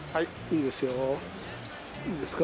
いいですか？